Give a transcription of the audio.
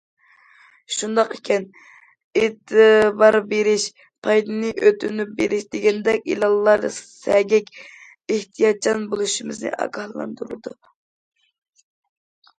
شۇنداق ئىكەن، ئېتىبار بېرىش، پايدىنى ئۆتۈنۈپ بېرىش دېگەندەك ئېلانلار سەگەك، ئېھتىياتچان بولۇشىمىزنى ئاگاھلاندۇرىدۇ.